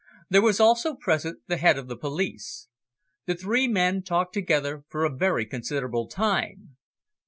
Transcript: There was also present the Head of the Police. The three men talked together for a very considerable time.